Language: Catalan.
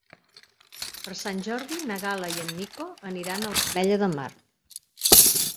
Per Sant Jordi na Gal·la i en Nico aniran a l'Ametlla de Mar.